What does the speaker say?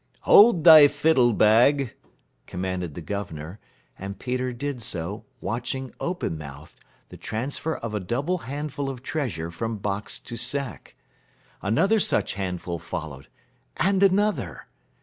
"Hold thy fiddle bag," commanded the governor, and Peter did so, watching, open mouthed, the transfer of a double handful of treasure from box to sack. Another such handful followed, and another.